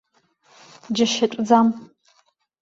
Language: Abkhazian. Џьашьатәӡам!